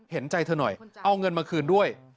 เห็นใจเธอหน่อยเอาเงินมาคืนด้วย